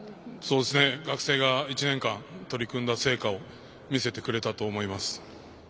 学生が１年間取り組んだ成果を見せてくれたと思います。